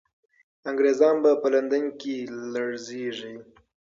انګریزان به په لندن کې لړزېږي.